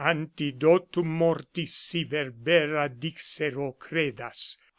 Antidotum mortis si verbera dixero, credas